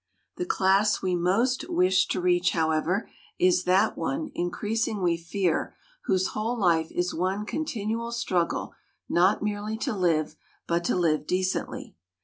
The class we most wish to reach, however, is that one, increasing we fear, whose whole life is one continual struggle not merely to live, but to live decently.